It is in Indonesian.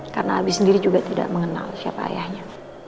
karena abi sendiri juga tidak mengenal siapa ayahnya